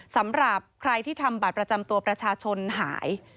สำหรับใครที่ทำบัตรประจำตัวประชาชนหาย